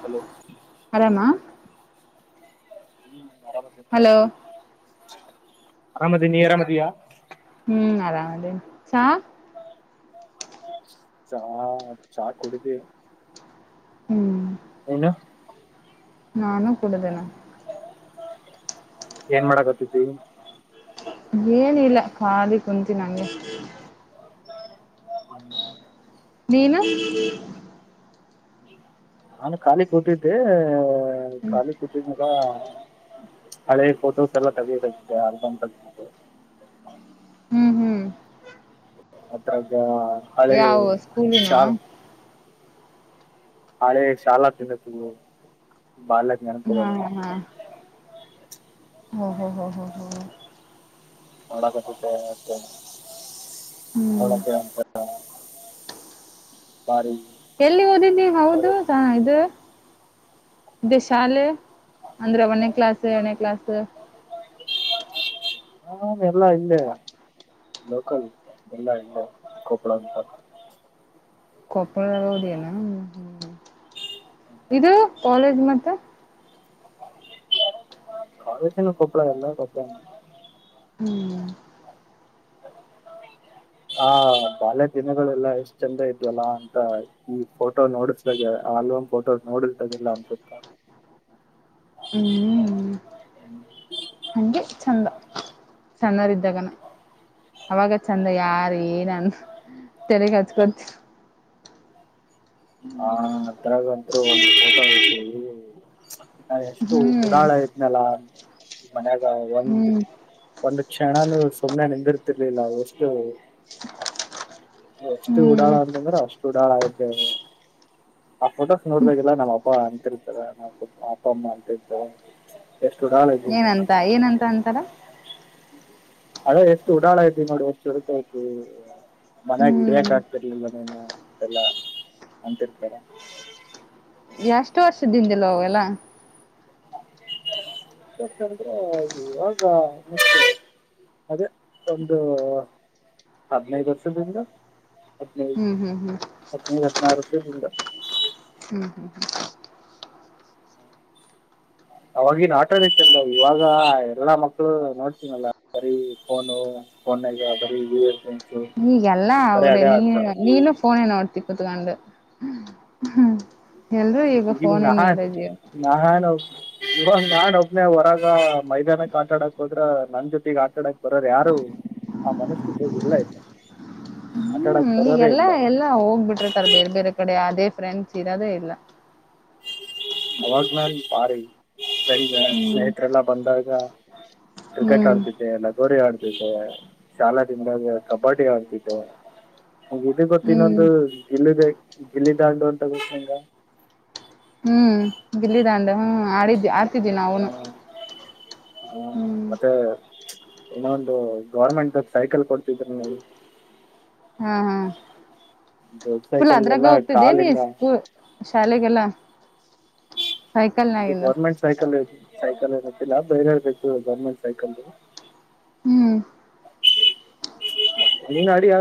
Hello ಆರಾಮಾ ಹ್ಮ್ hello ಅರಾಮದಿ ನೀ ಅರಾಮದಿಯಾ ಹ್ಮ್ ಆರಾಮ ಅದಿನಿ ಚ ಚಾ ಚಾ ಕುಡಿದಿ ಹ್ಮ್ ಏನು ನಾನು ಕುಡುದನ ಏನ್ ಮಾಡಕತಿದಿ ಏನಿಲ್ಲ ಖಾಲಿ ಕುಂನಿ ಹಂಗೆ ಹ ನೀನು ನಾನು ಕಾಲಿ ಕೂತಿದ್ದೆ ಖಾಲಿ ಕುಂತಿದೀನಲ ಹಳೆ ಫೋಟೋಸ್ ಎಲ್ಲ ತಗಬೇಕೆ ಆರ್ಬನ್ ತ ಹ್ಮ್ ಹ್ಮ್ ಅತ್ತ ಅಳೇ ಯಾವ ಸ್ಕೂಲಿನವಾ ಶಲ್ ಹಾಳೆ ಶಾಲಾ ದಿನದು ಹ್ಮ್ ಹಾ ಹ ಹ ಹ ಹ ಹ ಹಣಕ ಮತ್ತೆ ಹ್ಮ್ ಹ ಎಲ್ಲಿ ಓದಿದ್ದಿ ಹೌದು ಸಾ ಇದು. ಇದೇ ಶಾಲೆ ಅಂದ್ರೆ ಒನೇ ಕ್ಲಾಸ್ ಎರಡನೇ ಕ್ಲಾಸ್. ಹಾ ಎಲ್ಲಾ ಇಲ್ಲೇ ಲೋಕಲ್ ಎಲ್ಲಾ ಇಲ್ಲೆ ಕೊಪ್ಪಳ ಅಂತ. ಕೊಪ್ಪ ಳದಗ ಓದಿಯೇನ. ಹ್ಮ್ ಇದು ಕಾಲೇಜ್ ಮತ್ತ. ಕಾಲೇಜನು ಕೊಪ್ಪಳಾ ಎಲ್ಲಾ ಕೊಪ್ಪಳನೇ. ಹ್ಮ್ ಹ ಕಾಲೇಜ್ ದಿನಗಳೆಲ್ಲ ಎಷ್ಟ್ ಚಂದ ಇದ್ವಲ್ಲ ಅಂತ ಈ ಫೋಟೋ ನೋಡಿಸತಾಗ ಆಲ್ಬಮ್ ಫೋಟೋ ನೋಡಸ್ತಾಗೆಲ್ಲ ಅನ್ಸುತ್ತ. ಹ್ಮ್ ಹ್ಮ್ಮ್ ಹಂಗೆ ಚಂದ. ಸಣ್ಣೋರ್ ಇದ್ದಾಗನ ಅವಾಗ ಚಂದ ಯಾರ ಏನ ಅಂದ ತೆಲಿಗ ಹಚ್ಕೊತಿ ಹ ಅದ್ರಗಂತ್ರು ಒಂದು ಫೋಟೊ ಐತಿ. ತಿ ಎಷ್ಟು ಹ್ಮ್ ಉಡಾಳ ಇದ್ನಲ. ಮನ್ಯಾಗ ಒಂದು ಹ್ಮ್ ಒಂದ ಕ್ಷಣನು ಸುಮ್ನೆ ನಿಂದರ್ತಿರ್ಲಿಲ್ಲ ವಸ್ಟು. ಎಷ್ಟು ಹ್ಮ್ ಉಡಾಳ ಅಂತಂದ್ರ ಅಷ್ಟು ಉಡಾಳ ಆಗತ ತ ಆ ಫೋಟೋಸ್ ನೋಡ್ಬೇಕಿಲ್ಲ ನಮ್ಮ ಅಪ್ಪ ಅಂತಿರ್ತಾರ ನಮ್ಮ ಅಪ್ಪ ಅಮ್ಮ ಅಂತಿರ್ತಾರೆ. ಏನಂತ ಏನಂತ ಅಂತಾರ. ಅದ ಎಷ್ಟು ಉಡಾಳಯ್ತಿ ನೋಡು ಎಷ್ಟು ಚುರ್ಕಾಯ್ತಿ. ಮನ್ಯಾಗ ಹ್ಮ್ ಹಿಡಿಯಕ್ ಆಗ್ತಿರ್ಲಿಲ್ಲ ನೀನ್ನ. ಅಂತೆಲ್ಲಾ ಅಂತಿರ್ತಾರ ಎಷ್ಟು ವರ್ಷದಿಂದಿಲ್ಲ ಅವೆಲ್ಲ. ಎಷ್ಟ ಅಂದ್ರ ಇವಾಗ ಅದೇ ಒಂದು ಹದ್ನೈದ ವರ್ಷದಿಂದ. ಹ್ಮ್ ಹ್ಮ್ ಹ್ಮ್ ಹದ್ಮೈದ ಹದ್ಮಾರ್ ವರ್ಷದ ಹಿಂದ.. ಅವಾಗಿನ್ ಆಟನ ಚಂದ ಇವಾಗ ಎಲ್ಲಾ ಮಕ್ಳು ನೋಡ್ತಿನಲ್ಲ ಬರೀ ಫೋನು ಫೋನಗ ಬರೀ ಇವು ಈಗೆಲ್ಲ ಅವ್ರೆ ನೀ ನೀನು ಫೋನೇ ನೋಡ್ತಿ. ಕೂತಗೊಂಡು ಹ್ಮ ನ ಹ ನ ಹನ್ [unintelligible] ಇರೋನ್ ನಾನ ಒಬ್ನೇ ಹೊರಾಗ ಮೈದಾನಕ್ ಆಟಾಡಕ್ ಹೋದ್ರ ನನ್ ಜೊತೆಗ್ ಆಟಾಡಕ್ ಬರೋರ್ ಯಾರು ಆ ಮನಸ್ಥಿತಿಗ ಇಲ್ಲ ಆಡಕ್ ಹ್ಮ ಬರೋರೇ ಈಗೆಲ್ಲ ಇಲ್ಲ ಎಲ್ಲಾ ಹೋಗ್ಬಿಟ್ಟಿರ್ತಾರೆ ಬೇರೆ ಬೇರೆ ಕಡೆ ಅದೇ. ಫ್ರೆಂಡ್ಸ್ ಇರೋದೇ ಇಲ್ಲ. ಅವಾಗ ನಾನ್ ಬಾರಿ ಹ್ಮ್ ಸ್ನೇಹತ್ರೆಲ್ಲಾ ಬಂದಾಗ ಕ್ರಿಕೆಟ್ ಹ್ಮ್ ಆಡ್ತಿದ್ದೆ ಲಗೋರಿ ಆಡ್ತಿದ್ದೆ. ಶಾಲಾದಿಂದಾಗ್ ಕಬ್ ಬ್ಬಡಿ ಆಡತಿದ್ದೆ ಇದು ಗೊತ್ತ ಹ್ಮ್ ಇನ್ನೊಂದು ಗಿಲ್ಲಿದೆ ಗಿಲ್ಲಿ ದಾಂಡು ಅಂತ ಗೊತ್ತ. [unintelligible] ಹ್ಮ್ ಗಿಲ್ಲಿ ದಾಂಡ. ಹ್ಮ್ ಆಡಿದೆ ಆಡ್ತಿದೀವಿ ನಾವುನು. ಹ್ಮ ಹ್ಮ್ ಮತ್ತೆ. ಇನ್ನೊ ಒಂದು ಗೌರ್ಮೆಂಟ್ದ ಸೈಕಲ್ ಕೊಡ್ತಿದ್ರರ [unintelligible] ಹಾ ಹಾ. ದೊಡ್ಡ ಸೈಕಲಿಗೆಲ್ಲ ಕಾಲ ಇಲ್ಲ. ಶಾಲೆಗ ಎಲ್ಲ. ಅದು ಗೌರ್ಮೆಂಟ್ ಸೈಕಲು ಸೈಕಲ್ ಅದು. [unintelligible] ಯಾವ ಬೇರೆಯವರ ಸೈಕಲ್ ಗವರ್ನಮೆಂಟ್ ಸೈಕಲು. ಹ್ಮ್. ನೀನ್ ಅಡಿ ಯಾ.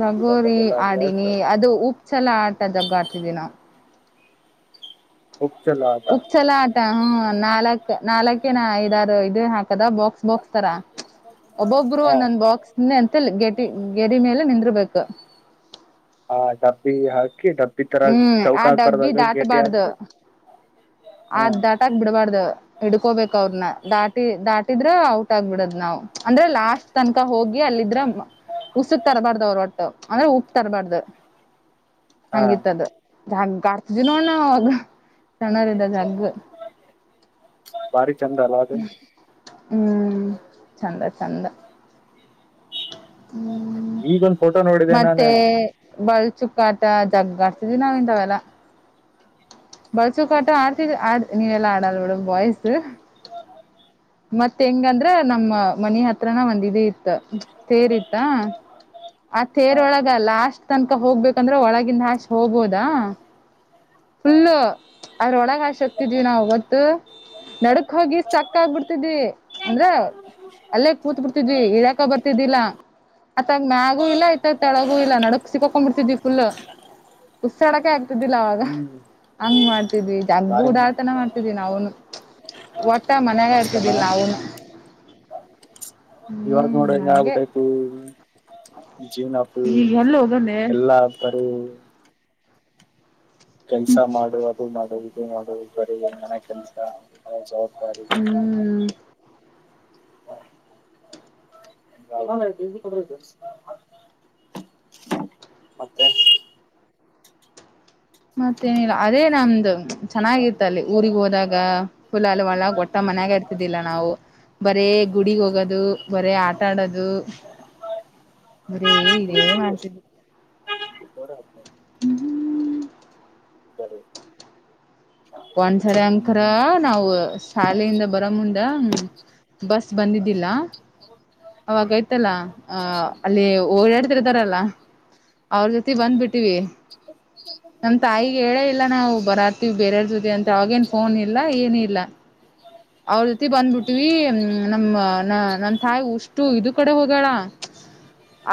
ಲಗೋರಿ ಇದಂಥದ್ದೆಲ್ಲ ಆಡಿಯಾ ಆಡಿನಿ ಅದು ಉಪ್ಚಲ ಆಟ ಜಗ್ಗ ಆಡ್ತಿದಿವಿ ನಾವ್. ಹುಚ್ಚಲ್ಲ ಆಟ ಉಪಚಲ್ಲೊ ಆಟ ಹ್ಮ ನಾಲ್ಕು ನಾಲ್ಕ ಏನ ಐದ ಆರು ಇದನ ಹಾಕದ ಬಾಕ್ಸ್ ಬಾಕ್ಸ್ ತರ ಒಬ್ಬೊಬ್ರು ಹಾ ಒಂದ ಒಂದ ಬಾಕ್ಸ್ ನ ಹಂತೇಲಿ ಗೆಟ್ ಗೆರೇ ಮೇಲೆ ನಿಂದ್ರಬೇಕ. ಹಾ ಡಬ್ಬಿ ಹಾಕಿ. ಡಬ್ಬಿ ತರ ಹ್ಮ್ ಆ ಚೌಕ ಡಬ್ಬಿ ಆಕಾರದಾಗ ಗೇಟಿ ದಾಟಬಾರ್ದು ಹಾಕಿ ಆ ಹಾ ದಾಟಾಕ್ ಬಿಡ್ಬಾರ್ದ. ಹಿಡ್ಕೋಬೇಕ ಅವ್ರನ್ನ ದಾಟಿ ದಾಟಿದ್ರ ಔಟ್ ಆಗ್ಬಿಡದ್ ನಾವ್ ಅಂದ್ರೆ ಲಾಸ್ಟ್ ತನಕ ಹೋಗಿ ಅಲ್ಲಿದ್ರ ಉಸಕ್ ತರಬಾರ್ದ ಅವ್ರ ಒಟ್ಟ ಅಂದ್ರ ಉಪ್ಪು ತರಬಾರ್ದ. ಹಾ ಹಂಗಿತ್ತ ಅದ. ಜಗ್ಗ ಆಡ್ತಿದ್ದಿವಿ ನೋಡು ಅವಾಗ. ಸಣ್ಣವರ ಇದ್ದಾಗ ಜಗ್ಗ. [unintelligible] ಹ್ಮ್ ಚೆಂದ ಚೆಂದ. ಈಗೊಂದ ಫೋಟೋ ನೋಡಿದೆೆ ನಾನ. ಬಳ್ ಚುಕ್ಕ ಆಟ ಡಗ್ಗ ಆಡ್ತಿದ್ವಿ ನಾವ ಇಂತಾವೆಲ್ಲ. ಬಳ್ ಚುಕ್ಕಾ ಆಟ ಆಡ್ತಿದ ಆಡ ನೀವೆಲ್ಲಾ ಆಡೊಲ್ಲ ಬಿಡು ಬಾಯ್ಸ್ದ ಮತ್ತ ಹೆಂಗಂದ್ರ ನಮ್ಮ ಮನಿ ಹತ್ರನ ಒಂದ್ ಇದು ಇತ್ತ ತೇರ್ ಇತ್ತ ಆ ಹಾ ತೇರೊಳಗ ಲಾಸ್ಟ್ ತನ ಫುಲ್ಲು ಅದ್ರೊಳಗ ಹಶಿ ಹಕ್ತಿದ್ವಿ ನಾವು ಗೊತ್ತು ನಡಕ್ ಹೋಗಿ ಸ್ಟ್ರಕ್ ಆಗ್ಬಿಡ್ತಿದ್ವಿ ಅಂದ್ರ ಅಲ್ಲೇ ಕೂತ್ ಬಿಡ್ತಿದ್ವಿ ಇಳಿಯಕ ಬರ್ತಿದ್ದಿಲ್ಲ ಅತ್ತಾಗ ಮ್ಯಾಗೂ ಇಲ್ಲ ಇತಾಗ ತಳಗೂ ಇಲ್ಲ ನಡಕ್ ಸಿಕ್ಕಕೊಂಡ ಬಿಡ್ತಿದ್ವಿ ಫುಲ್ಲ ಉಸಿರಾಡೋಕೆ ಆಗ್ತಿದ್ದಿಲ್ಲ ಅವಾಗ. ಹ್ಮ್ ಹಂಗ ಮಾಡ್ತಿದ್ವಿ ಜಗ್ಗ ಬಾರಿ ಮ- ಉಡಳತನ ಮಾಡ್ತಿದ್ವಿ ನಾವುನು ಒಟ್ಟ. ಒಟ್ಟ ಮನ್ಯಾಗ ಮಸ್ತ್ ಅಲ್ಲ ಇರ್ತಿದ್ದಿಲ್ಲ ನಾವುನು. ಇವಾಗ ನೋಡ ಹ್ಮ್ ಹಿಂಗ ಆಗಿ ಹಂಗೆ ಬಿಟೈತಿ. ಜೀವನಪು ಈಗ ಎಲ್ಲಿ ಹೋಗನೆ ಎಲ್ಲಾ ಬರೆ. [inaudible] ಕೆಲ್ಸ ಮಾಡು ಅದು ಮಾಡುದು ಇದು ಮಾಡುದು ಬರ ಎನ ಕೆಲ್ಸ ಜವಾಬ ಹ್ಮ್ ಹಾ ಕೊಡ ಮತ್ತೆ ಮತ್ತೇನಿಲ್ಲ ಅದೇ ನಮ್ದು ಚೆನ್ನಾಗಿತ್ತ ಅಲ್ಲಿ ಊರಿಗ್ ಹೋದಾಗ ಫುಲ ಅಲ್ ಒಳ ಗಟ್ಟ ಮನ್ಯಾಗ ಇರ್ತಿದ್ದಿಲ್ಲ ನಾವು ಬರೇ ಗುಡಿಗ್ ಹೋಗೋದು ಬರೇ ಆಟಾಡೋದು ಬರೀ ಇದೇ ಇವಾಗ ಮಾಡ್ತಿದ್ವಿ ಹ್ಮ್ ಒನ್ರಿ ಅಂಕರ ನಾವು ಶಾಲೆಯಿಂದ ಬರೋ ಮುಂದ ಹ ಬಸ್ ಬಂದಿದ್ದಿಲ್ಲ ಅವಾಗೈತಲ್ಲ ಅ ಅಲ್ಲಿ ಓಡ್ಯಾಡ್ತಿರ್ತಾರಲ್ಲ ಅವ್ರ ಜೊತಿ ಬಂದ್ ಬಟ್ಟವಿ ನಮ ತಾಯಿಗೆ ಹೇಳೇ ಇಲ್ಲ ನಾವು ಬರರ್ತಿವಿ ಬೇರೆೆಯರ್ ಜತೆ ಅಂತ ಅವೇನ್ ಫೋನ್ ಇಲ್ಲ ಏನ ಇಲ್ಲ ಅವ್ರ ಜೊತೆ ಬಂದ್ಬಿಟ್ಟಿವ ನಮ್ಮ ನ ನಮ ತಾಯಿ ಉಷ್ಟು ಇದು ಕಡೆ ಹೋಗಳ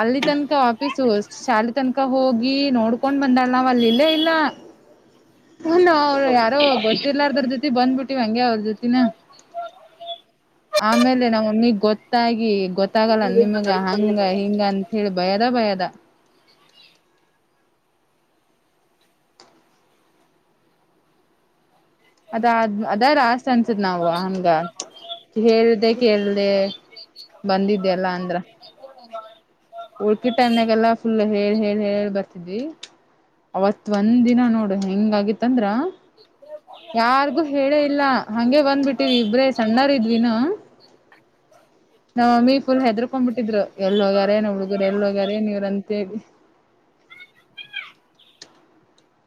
ಅಲ್ಲಿ ತನ್ಕ ಅಪೀಸು ಶಾಲೆ ತನಕ ಹೋಗಿ ನೋಡ್ಕೊಂಡ್ ಬಂದಳಾವ್ ಅಲ್ಲಿ ಇಲ್ಲೇ ಇಲ್ಲ ಅವ್ರ ಯಾರೋ ಗೊತ್ತಿಲ್ಲಾರದ್ರ ಜೊತಿ ಬಂದ್ಬಿಟ್ಟಿವ ಹಂಗೆ ಅವ್ರ ಜೊತಿನ ಆಮೇಲೆ ನಮ್ಮೊಮ್ಮಿಗೆಗ್ ಗೊತ್ತಾಗಿ ಗೊತ್ತ ಗೊತ್ತಾಗಲ್ಲ ನಿಮಗ ಹಂಗ ಹಿಂಗ ಅಂತ ಹೇಳಬ ಭಯದ ಭಯದ ಅದಾದ್ ಅದ ಆಸ್ ಅನ್ಸದ್ ನಾವು ಹಂಗಂಗ ಹೇಳ್ದ ಕೇಳ್ದ ಬಂದಿದ್ದೆಲ್ಲ ಅಂದ್ರ ಉಳ್ಕಿ ಟೈಮ್ಗೆಲ್ಲಾ ಫುಲ್ ಹ ಹೇಳ ಹೇಳ ಬರ್ತಿದ್ವಿ ಅವತ್ ಒಂದ ದಿನ ನೋಡು ಹೆಂಗ ಆಗಿತ್ತಂದ್ರ ಯಾರ್ಗು ಹೇಳೇ ಇಲ್ಲ ಹಂಗಗೆ ಬಂದ್ಬಿಟ್ಟಿವವಿ ಇಬ್ರೇ ಸಣ್ಣರ್ ಇದ್ವಿನ ನಾವ್ ಮಮ್ಮಿ ಫುಲ್ ಹೆದರ್ಕೊಂಡ್ಬ ಬಿಟ್ಟಿದ್ರು ಎಲ್ ಯಾರೇನ ಉಳ್ ಹ ಎಲ್ಲೋಗಾರೆೇ ನೀವ್ರಂತೇಳಿ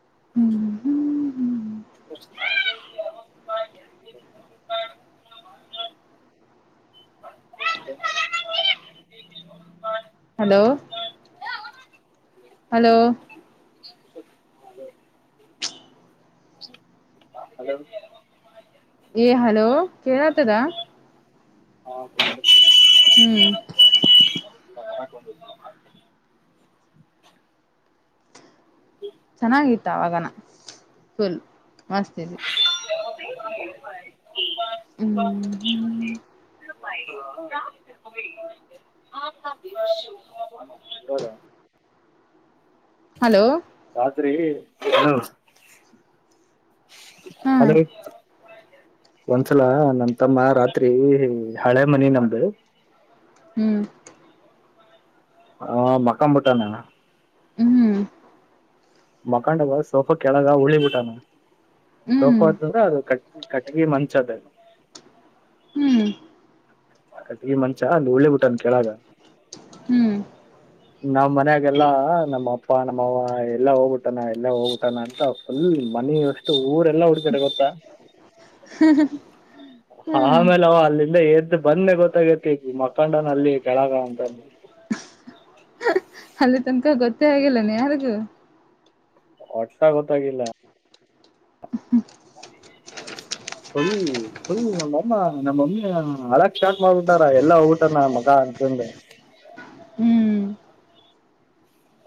ಹ್ಮ್ ಹ್ಮ್ ಹ್ಮ್ ಹಲೋ ಹಲೋ ಹಲೋ ಏ ಹಲೋ ಕೇಳತದ ಹ್ಮ್ ಚೆನ್ನಾಗಿತ್ತ ಅವಾಗನ ಫುಲ್ ಮಸ್ತವಿ ಹ್ಮ್ ಹ್ಮ್ ಹಲೋ ಆದ್ರರಿ ಹಾ ಅಲ ಒಂದ್ಸಲ ನಮ ತಮ್ಮ ರಾತ್ರಿ ಹಳೆ ಮನಿ ನಮ್ದು ಹ್ಮ್ ಹ ಮಕ್ಕಾಂಬಟ್ಟ ನ ಹ್ಮ್ ಮಖಾಂಡ ಬ ಸೋಫಾ ಕೆಳಗ ಉಳಿ ಬಿಟ್ಟಾನ ಹ್ಮ್ ಶೋಕೋ ಅತದ ಅದು ಕಟ್ ಕಟ್ಗಿ ಮಂಚ ಅದ ಅದು ಹ್ಮ್ ಅಟಿ ಮಂಚ ಒಂದು ಒಳ್ಳೆ ಬಿುಟ್ಟನ್ ಕೇಳಗ ಹ್ಮ್ ಹ್ಮ್ ನಾವ್ ಮನಾಗೆಲ್ಲ ನಮ್ಮ ಅಪ ಅಪ್ಪ ನಮ್ಮವ ಎಲ್ಲಾ ಹೋಗ್ಬಿಟ್ಟಾನ ಎಲ್ಲಾ ಹೋಗಟ್ಟಾನ ಅಂತ ಅಲ್ಲಿ ಮನ ಅಷ್ಟು ಊರೆಲ್ಲಾ ಹುಡ್ಕಡೆ ಗೊತ್ತಾ ಆಮೇಲೆವು ಅಲ್ಲಿಂದ ಏದ ಮ ಬಂದೆ ಗೊತ್ತಾಗತಿ ಈ ಮಕ್ಕಂಡನ ಅಲ್ಲಿ ಕೆಳಗ ಅಂತ ಅಲ್ಲಿ ತನಕ ಗೊತ್ತೇ ಆಗಿಲ್ಲಾನ ಯಾರಿಗು ಪಕ್ಕಾ ಗೊತ್ತಾಗ್ಲಿಲ್ಲ ಹಳಳಿ ನಮ್ಮಮ್ಮ ನಮ್ಮಮ್ಮಿ ಹಲಕ್ ಶಾರ್ಟ್ ಮಾಡ್ಬಿಟಾರ ಎಲ್ಲಾ ಹೋಗ್ಬಊಟನ ಮಗ ಅಂತಂತಂದೆ ಹ್ಮ್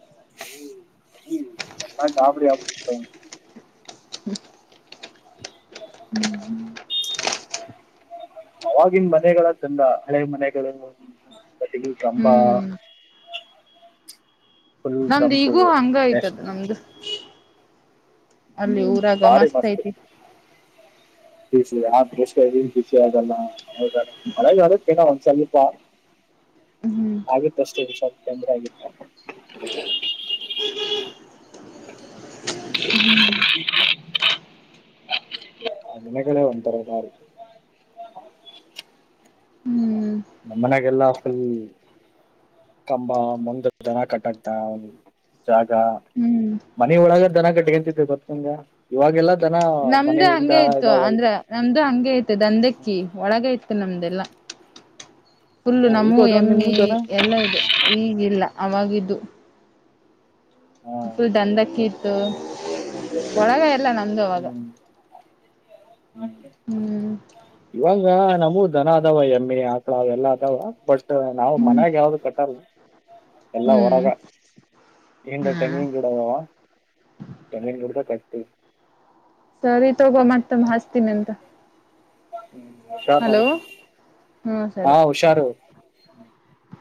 [unintelligible] ಆವಾಗಿನ ಮನೆಗಳ ಚಂದ ಹಳೆ ಮನೆಗಳು ಕಟಿಲು ಕಂಬ ಹ್ಮ್ ಫುಲ್ ನಮ್ದು ತಂಪು ಈಗೂ ಹಂಗ ಆಯ್ತದ ಎಷ್ಟ್ ನಮ್ದು ಅಲ್ಲಿ ಹ್ಮ್ ಊರಾಗ ಭಾರಿ ಮಸ್ತ್ ಐತಿ [unintelligible] ಹ್ಮ್ ಆಗುತ್ತ್ ಅಷ್ಟೇ ಹುಷಾರು ತಂದ್ರೆ ಆಗಿತ್ತ ಆ ದಿನಗಳೇ ಒಂತರ ಭಾರಿ ಹ್ಮ್ ನಮ್ ಮನೆಗೆಲ್ಲಾ ಫುಲ್ ಕಂಬ ಮುಂದಕ್ ದನ ಕಟ್ಟಾಕ್ತಾ ಜಾಗ ಹ್ಮ್ ಮನೆ ಒಳಗ ದನ ಕಟ್ಕ್ಯಾಂತಿದ್ವಿ ಗೊತ್ತಕಂಗ ಇವಾಗೆಲ್ಲಾ ದನ ನಮ್ದು ಮನೆಯಿಂದ ಹಂಗೆ ಇತ್ತು ಎಲ್ಲ ಅಂದ್ರ ಹೊಲ್ದು ನಮ್ದು ಹಂಗೆ ಐತೆ ದಂಧಕ್ಕಿ ಒಳಗೈತ್ ತ್ತ ನಮ್ದೆಲ್ಲ ಫುಲ್ಲು ಹ ಈಗ ನಮ್ಮೂವು ಅದಾವ ನಿಮ್ದು ಎಮ್ಮಿ ದನ ಎಲ್ಲ ಇದ್ವು ಈಗಿಲ್ಲ ಆವಾಗಿದ್ದು ಹಾ ಫುಲ್ ದಂದಕ್ಕಿ ಇತ್ತು ಒಳಗ ಎಲ್ಲ ನಾ ಹಂಗವಾಗ ಹ್ಮ್ [inaudible] ಇವಾಗ ನಮ್ಮುವು ದನ ಅದಾವ ಎಮ್ಮೆ ಆಕಳ ಅವೆಲ್ಲ ಅದಾವ ಪಡ್ಸ್ ನಾವು ಹ್ಮ್ ಮನ್ಯಾಗ ಯಾವ್ದು ಕಟ್ಟಲ್ಲ ಎಲ್ಲ ಹ್ಮ್ ಹೊರಗ ಎಂಟ್ ಹ್ಮ್ ತೆಂಗನ್ ಗಿಡ ಅದಾವ ತೆಂಗಿನ ಗಿಡ್ದಾಗ್ ಕಟ್ಟ್ [unintelligible] ಸರಿ ತಗೊ ಮತ್ತೊಮ್ಮೆ ಹಚ್ತೀನಿಂತ ಹ್ಮ್ [unintelligible] ಹ್ಮ ಸರಿ [inaudible]